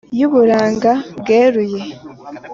y'uburanga bweruye